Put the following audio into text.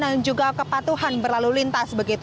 dan juga kepatuhan berlalu lintas